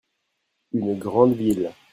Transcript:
une grande ville.